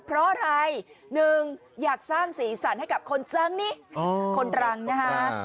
เพราะอะไรหนึ่งอยากสร้างสีสันให้กับคนสร้างนี้คนรังนะฮะ